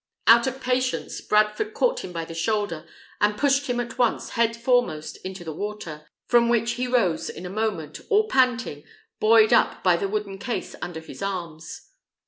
Out of patience, Bradford caught him by the shoulder, and pushed him at once head foremost into the water, from which he rose in a moment, all panting, buoyed up by the wooden case under his arms.